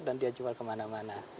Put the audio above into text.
dan dia jual kemana mana